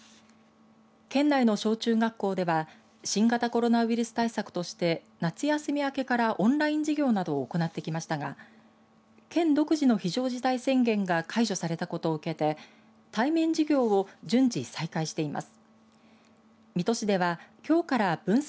県内の小中学校では新型コロナウイルス対策として夏休み明けからオンライン授業などを行ってきましたが県独自の非常事態宣言が解除されたことを受けて対面授業を順次再開しています。